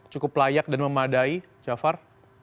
cukup layak dan memadai jafar